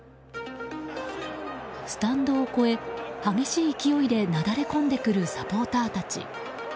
スタンドを越え、激しい勢いでなだれ込んでくるサポーターたち。